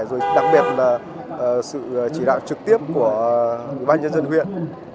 rồi đặc biệt là sự chỉ đạo trực tiếp của bà nhân dân huyện